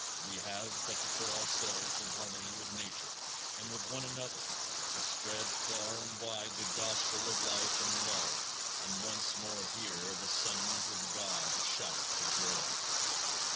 We have but to put ourselves in harmony with nature and with one another to spread far and wide the gospel of life and love and once more hear "the sons of God shout for joy."